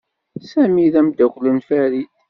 Sami ad amdakkel n Farid.